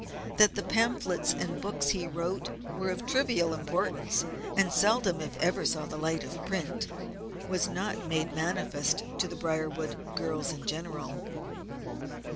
That the pamphlets and books he wrote were of trivial importance, and seldom if ever saw the light of print, was not made manifest to the Briarwood girls in general.